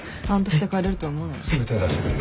すぐ手出してくる。